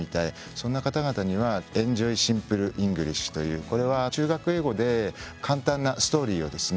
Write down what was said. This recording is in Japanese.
そんな方々には「エンジョイ・シンプルイングリッシュ」というこれは中学英語で簡単なストーリーをですね